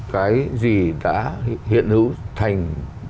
cái gì đã hiện hữu thành